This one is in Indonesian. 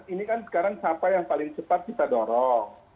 ini kan sekarang siapa yang paling cepat kita dorong